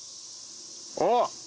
おっ。